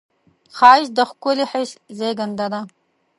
ښایست د ښکلي حس زېږنده ده